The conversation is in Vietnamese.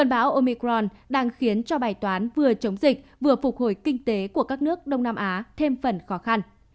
cơn bão omicron đang khiến cho bài toán vừa chống dịch vừa phục hồi kinh tế của các nước đông nam á thêm phần khó khăn